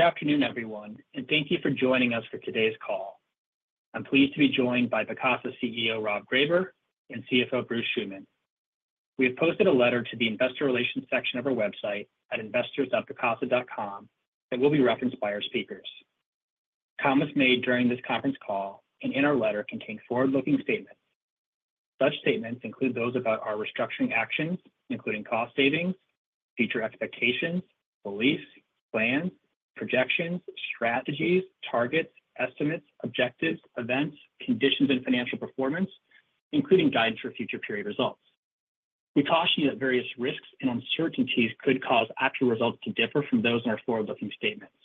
Good afternoon, everyone, and thank you for joining us for today's call. I'm pleased to be joined by Vacasa CEO, Rob Greyber, and CFO, Bruce Schuman. We have posted a letter to the investor relations section of our website at investors.vacasa.com that will be referenced by our speakers. Comments made during this conference call and in our letter contain forward-looking statements. Such statements include those about our restructuring actions, including cost savings, future expectations, beliefs, plans, projections, strategies, targets, estimates, objectives, events, conditions, and financial performance, including guides for future period results. We caution you that various risks and uncertainties could cause actual results to differ from those in our forward-looking statements.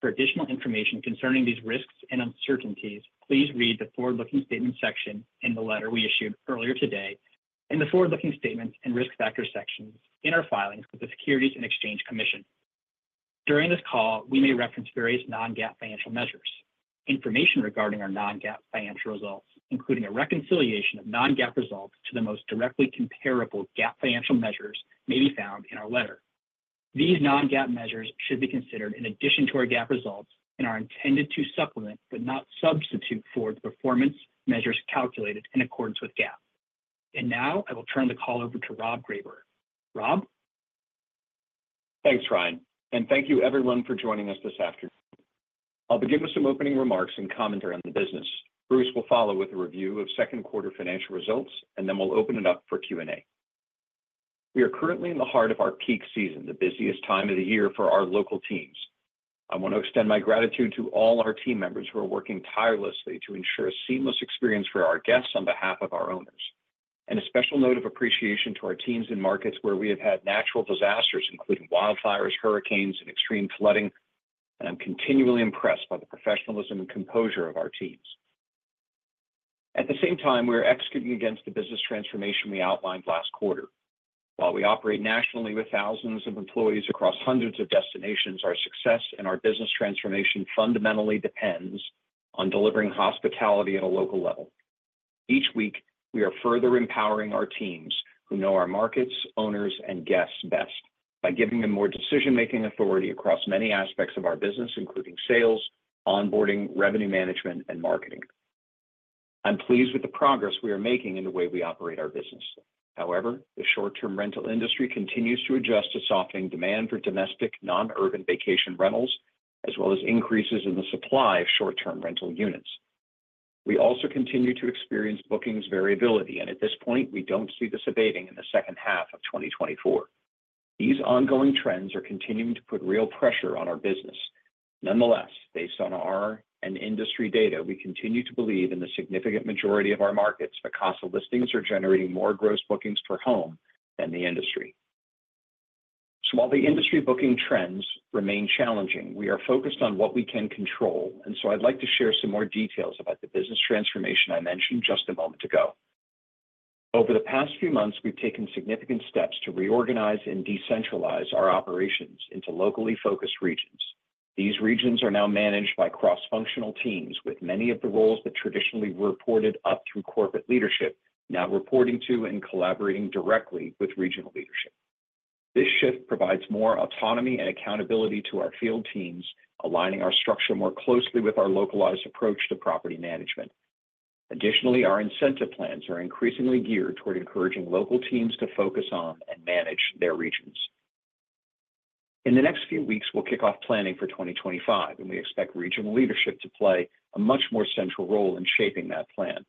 For additional information concerning these risks and uncertainties, please read the forward-looking statement section in the letter we issued earlier today and the forward-looking statements and risk factors sections in our filings with the U.S. Securities and Exchange Commission. During this call, we may reference various non-GAAP financial measures. Information regarding our non-GAAP financial results, including a reconciliation of non-GAAP results to the most directly comparable GAAP financial measures, may be found in our letter. These non-GAAP measures should be considered in addition to our GAAP results and are intended to supplement, but not substitute for, the performance measures calculated in accordance with GAAP. Now, I will turn the call over to Rob Greyber. Rob? Thanks, Ryan, and thank you everyone for joining us this afternoon. I'll begin with some opening remarks and commentary on the business. Bruce will follow with a review of Q2 financial results, and then we'll open it up for Q&A. We are currently in the heart of our peak season, the busiest time of the year for our local teams. I want to extend my gratitude to all our team members who are working tirelessly to ensure a seamless experience for our guests on behalf of our owners. And a special note of appreciation to our teams in markets where we have had natural disasters, including wildfires, hurricanes, and extreme flooding, and I'm continually impressed by the professionalism and composure of our teams. At the same time, we are executing against the business transformation we outlined last quarter. While we operate nationally with thousands of employees across hundreds of destinations, our success and our business transformation fundamentally depends on delivering hospitality at a local level. Each week, we are further empowering our teams, who know our markets, owners, and guests best, by giving them more decision-making authority across many aspects of our business, including sales, onboarding, revenue management, and marketing. I'm pleased with the progress we are making in the way we operate our business. However, the short-term rental industry continues to adjust to softening demand for domestic non-urban vacation rentals, as well as increases in the supply of short-term rental units. We also continue to experience bookings variability, and at this point, we don't see this abating in the second half of 2024. These ongoing trends are continuing to put real pressure on our business. Nonetheless, based on our and industry data, we continue to believe in the significant majority of our markets, Vacasa listings are generating more gross bookings per home than the industry. So while the industry booking trends remain challenging, we are focused on what we can control, and so I'd like to share some more details about the business transformation I mentioned just a moment ago. Over the past few months, we've taken significant steps to reorganize and decentralize our operations into locally focused regions. These regions are now managed by cross-functional teams, with many of the roles that traditionally reported up through corporate leadership now reporting to and collaborating directly with regional leadership. This shift provides more autonomy and accountability to our field teams, aligning our structure more closely with our localized approach to property management. Additionally, our incentive plans are increasingly geared toward encouraging local teams to focus on and manage their regions. In the next few weeks, we'll kick off planning for 2025, and we expect regional leadership to play a much more central role in shaping that plan.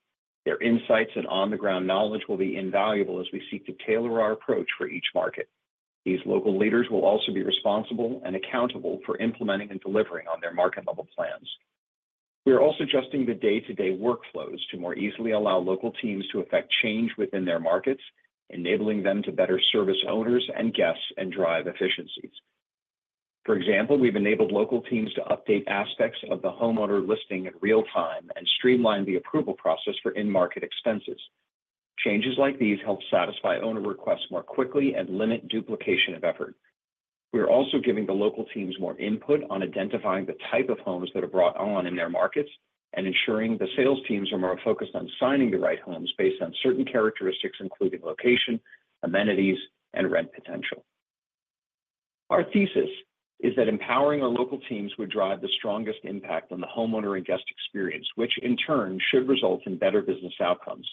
Their insights and on-the-ground knowledge will be invaluable as we seek to tailor our approach for each market. These local leaders will also be responsible and accountable for implementing and delivering on their market-level plans. We are also adjusting the day-to-day workflows to more easily allow local teams to effect change within their markets, enabling them to better service owners and guests and drive efficiencies. For example, we've enabled local teams to update aspects of the homeowner listing in real time and streamline the approval process for in-market expenses. Changes like these help satisfy owner requests more quickly and limit duplication of effort. We are also giving the local teams more input on identifying the type of homes that are brought on in their markets and ensuring the sales teams are more focused on signing the right homes based on certain characteristics, including location, amenities, and rent potential. Our thesis is that empowering our local teams would drive the strongest impact on the homeowner and guest experience, which in turn should result in better business outcomes.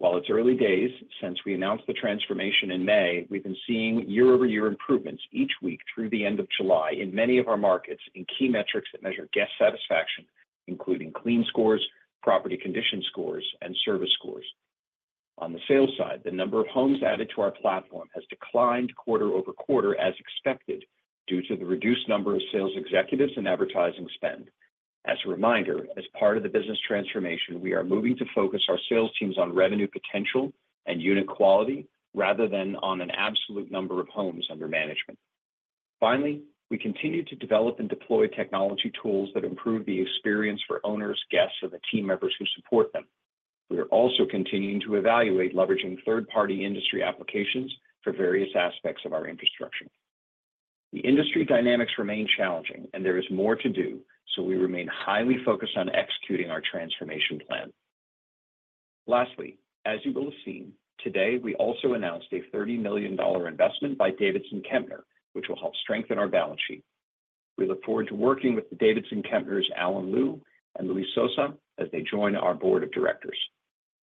While it's early days since we announced the transformation in May, we've been seeing year-over-year improvements each week through the end of July in many of our markets in key metrics that measure guest satisfaction, including clean scores, property condition scores, and service scores. On the sales side, the number of homes added to our platform has declined quarter-over-quarter as expected, due to the reduced number of sales executives and advertising spend. As a reminder, as part of the business transformation, we are moving to focus our sales teams on revenue potential and unit quality rather than on an absolute number of homes under management. Finally, we continue to develop and deploy technology tools that improve the experience for owners, guests, and the team members who support them. We are also continuing to evaluate leveraging third-party industry applications for various aspects of our infrastructure. The industry dynamics remain challenging, and there is more to do, so we remain highly focused on executing our transformation plan.... Lastly, as you will have seen, today, we also announced a $30 million investment by Davidson Kempner, which will help strengthen our balance sheet. We look forward to working with Davidson Kempner's Alan Liu and Luis Sosa, as they join our board of directors.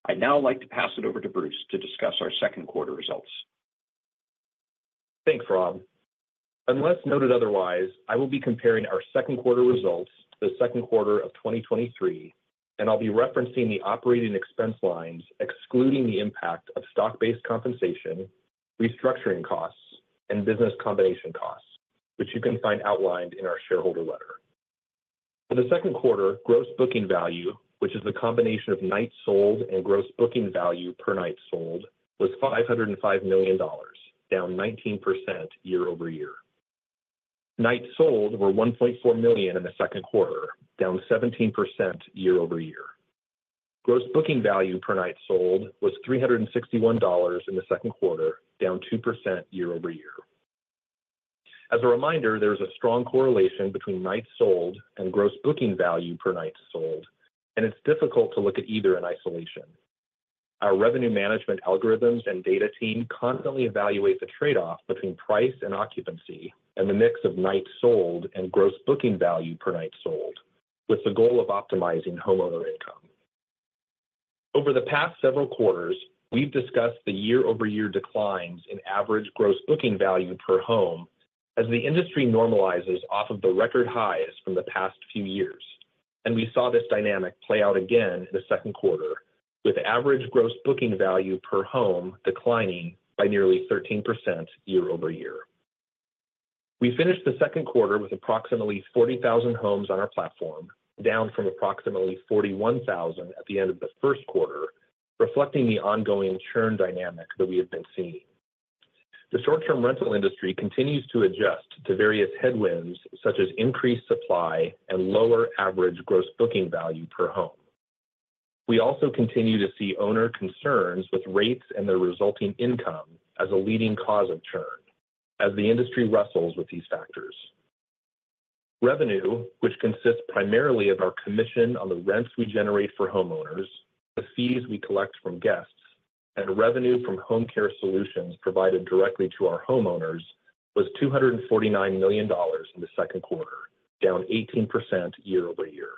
I'd now like to pass it over to Bruce to discuss our Q2 results. Thanks, Rob. Unless noted otherwise, I will be comparing our Q2 results to the Q2 of 2023, and I'll be referencing the operating expense lines, excluding the impact of stock-based compensation, restructuring costs, and business combination costs, which you can find outlined in our shareholder letter. For the Q2, gross booking value, which is the combination of nights sold and gross booking value per night sold, was $505 million, down 19% year-over-year. Nights sold were 1.4 million in the Q2, down 17% year-over-year. Gross booking value per night sold was $361 in the Q2, down 2% year-over-year. As a reminder, there is a strong correlation between nights sold and gross booking value per night sold, and it's difficult to look at either in isolation. Our revenue management algorithms and data team constantly evaluate the trade-off between price and occupancy, and the mix of nights sold and Gross Booking Value per night sold, with the goal of optimizing homeowner income. Over the past several quarters, we've discussed the year-over-year declines in average Gross Booking Value per home as the industry normalizes off of the record highs from the past few years, and we saw this dynamic play out again in the Q2, with average Gross Booking Value per home declining by nearly 13% year-over-year. We finished the Q2 with approximately 40,000 homes on our platform, down from approximately 41,000 at the end of the Q1, reflecting the ongoing churn dynamic that we have been seeing. The short-term rental industry continues to adjust to various headwinds, such as increased supply and lower average Gross Booking Value per home. We also continue to see owner concerns with rates and their resulting income as a leading cause of churn, as the industry wrestles with these factors. Revenue, which consists primarily of our commission on the rents we generate for homeowners, the fees we collect from guests, and revenue from Home care solutions provided directly to our homeowners, was $249 million in the Q2, down 18% year-over-year.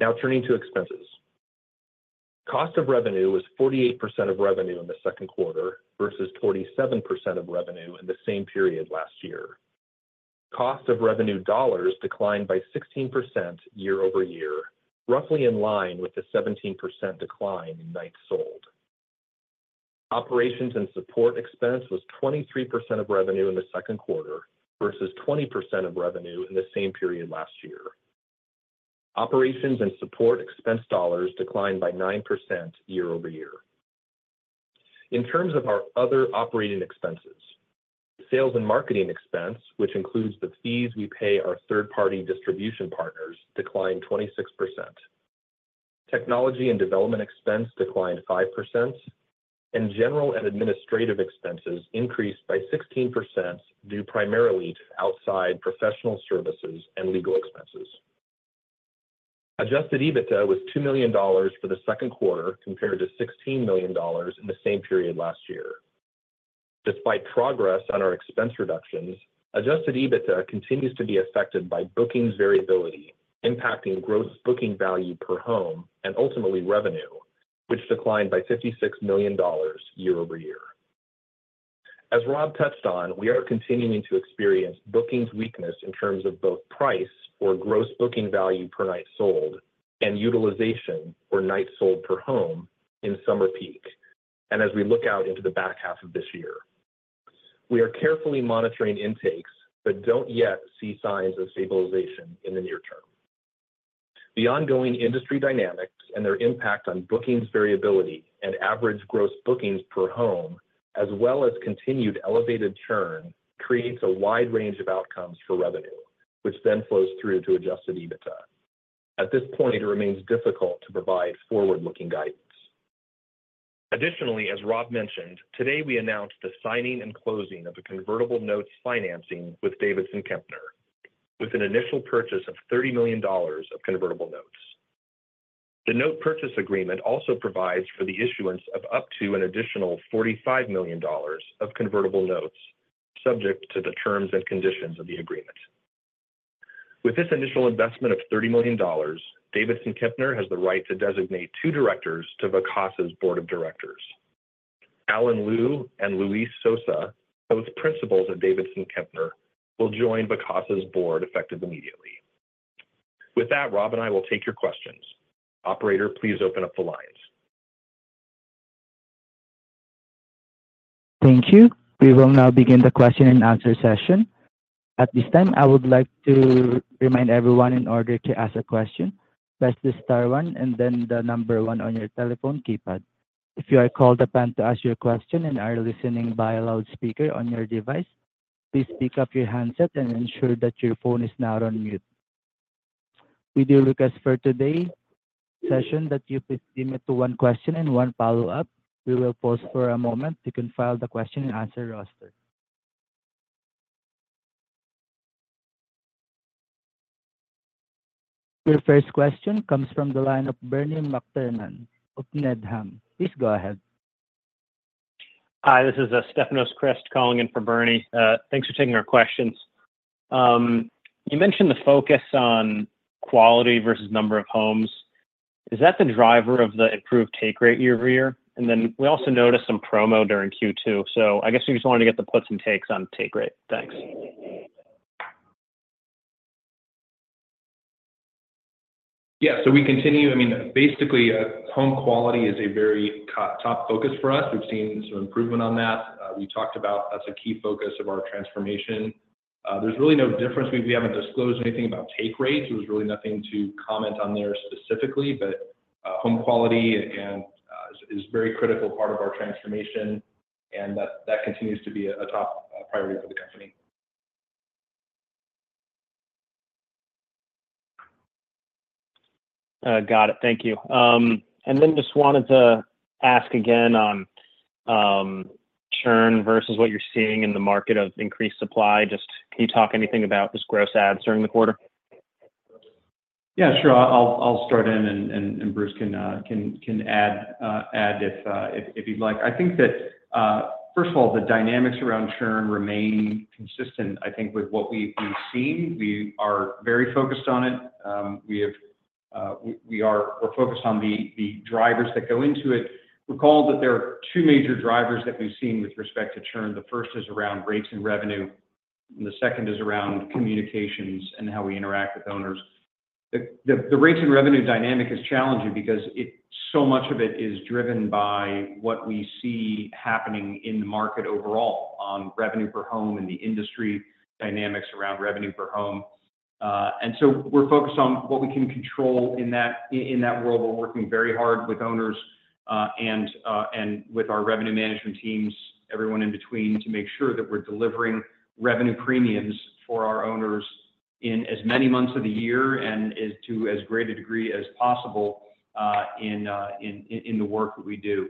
Now, turning to expenses. Cost of revenue was 48% of revenue in the Q2, versus 47% of revenue in the same period last year. Cost of revenue dollars declined by 16% year-over-year, roughly in line with the 17% decline in nights sold. Operations and support expense was 23% of revenue in the Q2, versus 20% of revenue in the same period last year. Operations and support expense dollars declined by 9% year-over-year. In terms of our other operating expenses, sales and marketing expense, which includes the fees we pay our third-party distribution partners, declined 26%. Technology and development expense declined 5%, and general and administrative expenses increased by 16%, due primarily to outside professional services and legal expenses. Adjusted EBITDA was $2 million for the Q2, compared to $16 million in the same period last year. Despite progress on our expense reductions, adjusted EBITDA continues to be affected by bookings variability, impacting gross booking value per home and ultimately revenue, which declined by $56 million year-over-year. As Rob touched on, we are continuing to experience bookings weakness in terms of both price or gross booking value per night sold and utilization or nights sold per home in summer peak, and as we look out into the back half of this year. We are carefully monitoring intakes, but don't yet see signs of stabilization in the near term. The ongoing industry dynamics and their impact on bookings variability and average gross bookings per home, as well as continued elevated churn, creates a wide range of outcomes for revenue, which then flows through to Adjusted EBITDA. At this point, it remains difficult to provide forward-looking guidance. Additionally, as Rob mentioned, today we announced the signing and closing of a convertible notes financing with Davidson Kempner, with an initial purchase of $30 million of convertible notes. The note purchase agreement also provides for the issuance of up to an additional $45 million of convertible notes, subject to the terms and conditions of the agreement. With this initial investment of $30 million, Davidson Kempner has the right to designate two directors to Vacasa's board of directors. Alan Liu and Luis Sosa, both principals at Davidson Kempner, will join Vacasa's board, effective immediately. With that, Rob and I will take your questions. Operator, please open up the lines. Thank you. We will now begin the question and answer session. At this time, I would like to remind everyone, in order to ask a question, press the star one and then the number one on your telephone keypad. If you are called upon to ask your question and are listening via loudspeaker on your device, please pick up your handset and ensure that your phone is not on mute. We do request for today's session that you please limit to one question and one follow-up. We will pause for a moment to compile the question and answer roster. Your first question comes from the line of Bernie McTernan of Needham. Please go ahead. Hi, this is Stefanos Crist calling in for Bernie. Thanks for taking our questions. You mentioned the focus on quality versus number of homes. Is that the driver of the improved take rate year-over-year? And then we also noticed some promo during Q2. So I guess we just wanted to get the puts and takes on take rate. Thanks. Yeah, so we continue... I mean, basically, home quality is a very top, top focus for us. We've seen some improvement on that. We talked about that's a key focus of our transformation. There's really no difference. We haven't disclosed anything about take rates. There's really nothing to comment on there specifically, but home quality, again, is a very critical part of our transformation, and that continues to be a top priority for the company. Got it. Thank you. And then just wanted to ask again on churn versus what you're seeing in the market of increased supply. Just can you talk anything about this gross adds during the quarter? Yeah, sure. I'll start, and Bruce can add if you'd like. I think that first of all, the dynamics around churn remain consistent. I think with what we've seen, we are very focused on it. We are focused on the drivers that go into it. Recall that there are two major drivers that we've seen with respect to churn. The first is around rates and revenue, and the second is around communications and how we interact with owners. The rates and revenue dynamic is challenging because so much of it is driven by what we see happening in the market overall on revenue per home and the industry dynamics around revenue per home. So we're focused on what we can control in that world. We're working very hard with owners and with our revenue management teams, everyone in between, to make sure that we're delivering revenue premiums for our owners in as many months of the year and as to as great a degree as possible in the work that we do.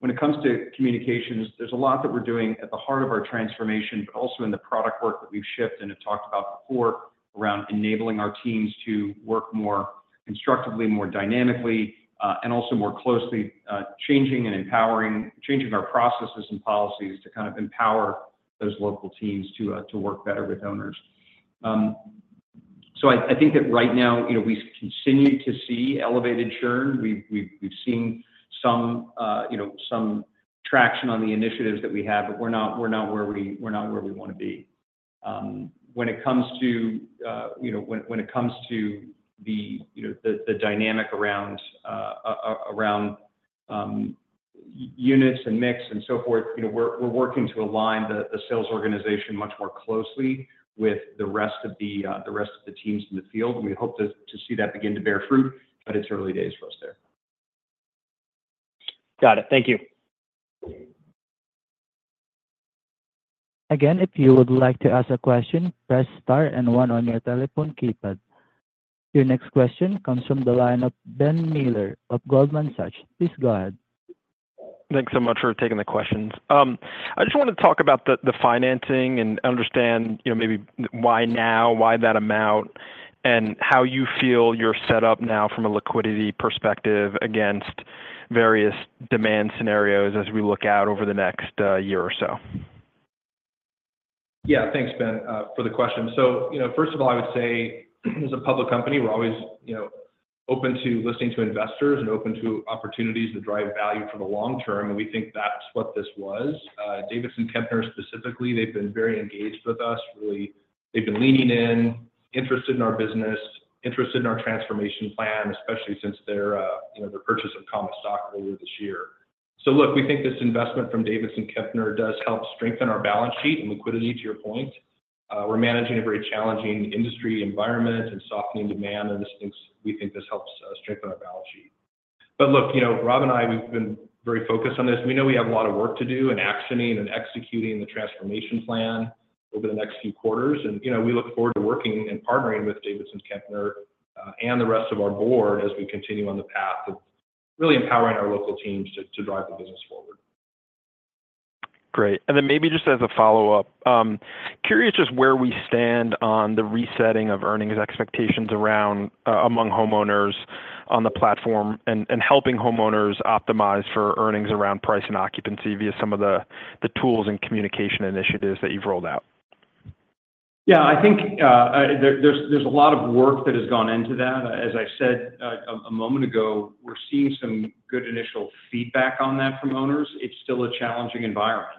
When it comes to communications, there's a lot that we're doing at the heart of our transformation, but also in the product work that we've shipped and have talked about before, around enabling our teams to work more constructively, more dynamically and also more closely, changing our processes and policies to kind of empower those local teams to work better with owners. So I think that right now, you know, we continue to see elevated churn. We've seen some, you know, some traction on the initiatives that we have, but we're not where we want to be. When it comes to, you know, when it comes to the, you know, the dynamic around around units and mix and so forth, you know, we're working to align the sales organization much more closely with the rest of the rest of the teams in the field, and we hope to see that begin to bear fruit, but it's early days for us there. Got it. Thank you. Again, if you would like to ask a question, press star and one on your telephone keypad. Your next question comes from the line of Ben Miller of Goldman Sachs. Please go ahead. Thanks so much for taking the questions. I just wanted to talk about the, the financing and understand, you know, maybe why now, why that amount, and how you feel you're set up now from a liquidity perspective against various demand scenarios as we look out over the next year or so? Yeah. Thanks, Ben, for the question. So, you know, first of all, I would say as a public company, we're always, you know, open to listening to investors and open to opportunities to drive value for the long term, and we think that's what this was. Davidson Kempner, specifically, they've been very engaged with us. Really, they've been leaning in, interested in our business, interested in our transformation plan, especially since their, you know, their purchase of common stock earlier this year. So look, we think this investment from Davidson Kempner does help strengthen our balance sheet and liquidity, to your point. We're managing a very challenging industry environment and softening demand, and this things-- we think this helps strengthen our balance sheet. But look, you know, Rob and I, we've been very focused on this. We know we have a lot of work to do in actioning and executing the transformation plan over the next few quarters. And, you know, we look forward to working and partnering with Davidson Kempner and the rest of our board as we continue on the path of really empowering our local teams to drive the business forward. Great. And then maybe just as a follow-up, curious just where we stand on the resetting of earnings expectations around, among homeowners on the platform, and, and helping homeowners optimize for earnings around price and occupancy via some of the, the tools and communication initiatives that you've rolled out. Yeah, I think, there's a lot of work that has gone into that. As I said, a moment ago, we're seeing some good initial feedback on that from owners. It's still a challenging environment.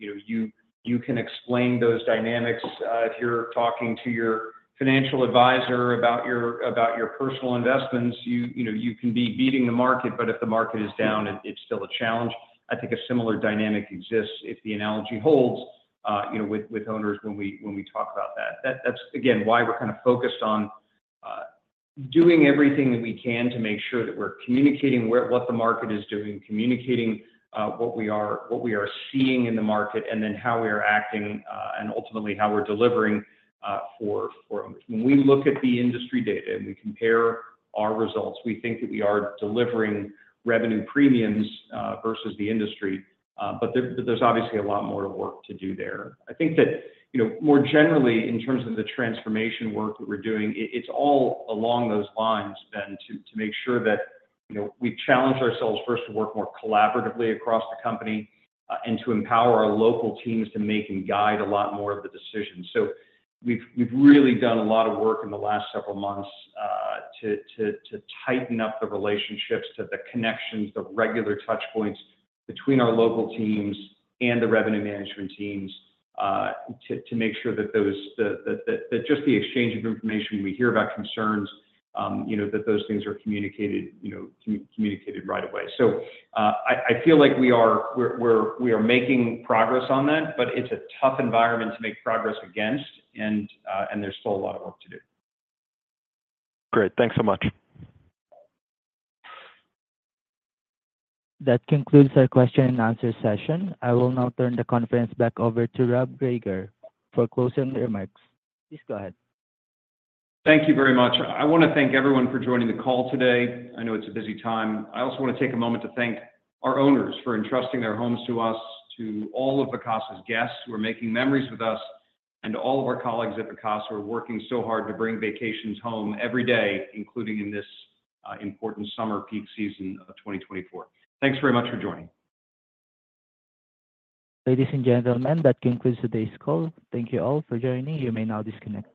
You know, you can explain those dynamics. If you're talking to your financial advisor about your personal investments, you know, you can be beating the market, but if the market is down, it's still a challenge. I think a similar dynamic exists if the analogy holds, you know, with owners when we talk about that. That, that's again, why we're kind of focused on doing everything that we can to make sure that we're communicating what the market is doing, communicating what we are seeing in the market, and then how we are acting, and ultimately how we're delivering for owners. When we look at the industry data and we compare our results, we think that we are delivering revenue premiums versus the industry. But there's obviously a lot more work to do there. I think that, you know, more generally, in terms of the transformation work that we're doing, it's all along those lines, Ben, to make sure that, you know, we challenge ourselves first to work more collaboratively across the company, and to empower our local teams to make and guide a lot more of the decisions. So we've really done a lot of work in the last several months to tighten up the relationships, the connections, the regular touch points between our local teams and the revenue management teams, to make sure that those just the exchange of information, we hear about concerns, you know, that those things are communicated, you know, communicated right away. So I feel like we are making progress on that, but it's a tough environment to make progress against, and there's still a lot of work to do. Great. Thanks so much. That concludes our question and answer session. I will now turn the conference back over to Rob Greyber for closing remarks. Please go ahead. Thank you very much. I want to thank everyone for joining the call today. I know it's a busy time. I also want to take a moment to thank our owners for entrusting their homes to us, to all of Vacasa's guests who are making memories with us, and to all of our colleagues at Vacasa who are working so hard to bring vacations home every day, including in this important summer peak season of 2024. Thanks very much for joining. Ladies and gentlemen, that concludes today's call. Thank you all for joining. You may now disconnect.